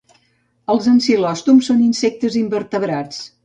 Els ancilòstoms són insectes invertebrats.